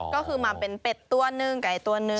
ก็คือมาเป็นเป็ดตัวหนึ่งไก่ตัวหนึ่ง